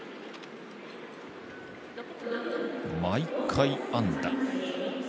毎回、安打。